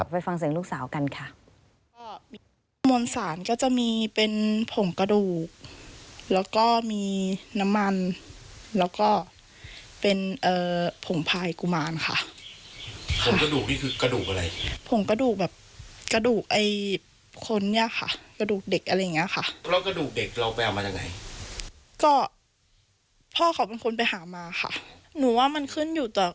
ไปฟังเสียงลูกสาวกันค่ะ